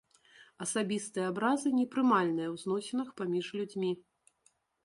Асабістыя абразы непрымальныя ў зносінах паміж людзьмі.